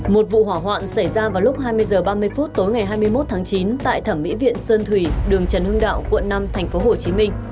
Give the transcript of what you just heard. một vụ hỏa hoạn xảy ra vào lúc hai mươi h ba mươi phút tối ngày hai mươi một tháng chín tại thẩm mỹ viện sơn thủy đường trần hưng đạo quận năm tp hcm